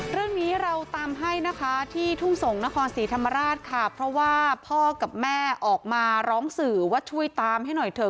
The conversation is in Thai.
เรื่องนี้เราตามให้นะคะที่ทุ่งส่งนครศรีธรรมราชค่ะเพราะว่าพ่อกับแม่ออกมาร้องสื่อว่าช่วยตามให้หน่อยเถอะ